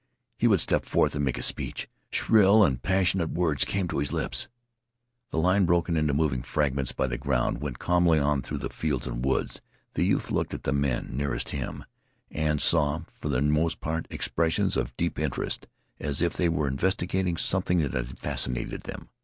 He would step forth and make a speech. Shrill and passionate words came to his lips. The line, broken into moving fragments by the ground, went calmly on through fields and woods. The youth looked at the men nearest him, and saw, for the most part, expressions of deep interest, as if they were investigating something that had fascinated them.